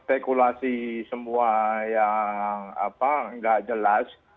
spekulasi semua yang nggak jelas